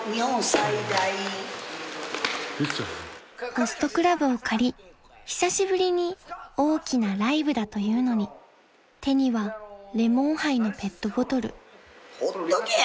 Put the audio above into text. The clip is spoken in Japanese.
［ホストクラブを借り久しぶりに大きなライブだというのに手にはレモンハイのペットボトル］ほっとけや。